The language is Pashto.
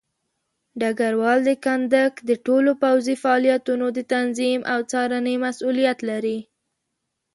ډګروال د کندک د ټولو پوځي فعالیتونو د تنظیم او څارنې مسوولیت لري.